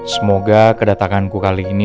semoga kedatanganku kali ini